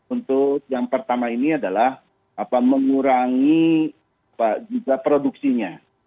untuk yang pertama ini adalah mengurangi juga produksinya